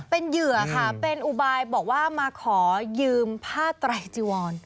เป็นเหยื่อค่ะเป็นอุบายบอกว่ามาขอยืมผ้าไตรจีวร